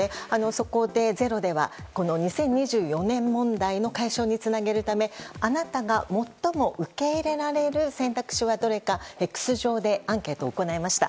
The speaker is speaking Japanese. そこで「ｚｅｒｏ」ではこの２０２４年問題の解消につなげるためあなたが最も受け入れられる選択肢はどれかＸ上でアンケートを行いました。